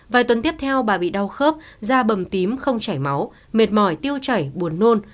vài tuần tiếp theo bà bị đau khớp da bầm tím không chảy máu mệt mỏi tiêu chảy buồn nôn